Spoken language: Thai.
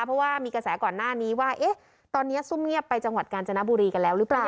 เพราะว่ามีกระแสก่อนหน้านี้ว่าตอนนี้ซุ่มเงียบไปจังหวัดกาญจนบุรีกันแล้วหรือเปล่า